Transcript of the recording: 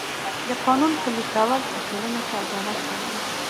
د قانون پلي کول په ټولنه کې عدالت راولي.